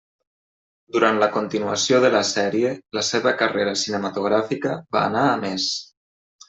Durant la continuació de la sèrie, la seva carrera cinematogràfica va anar a més.